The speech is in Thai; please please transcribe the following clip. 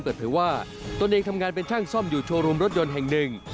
เปิดเผยว่าตนเองทำงานเป็นช่างซ่อมอยู่โชว์รูมรถยนต์แห่งหนึ่ง